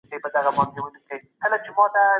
بله ناخواله په وړکتوب کي د لوڼو يا خوندو نامزادول دي